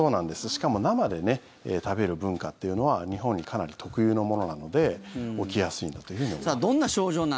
しかも生で食べる文化というのは日本にかなり特有のものなので起きやすいんだと思います。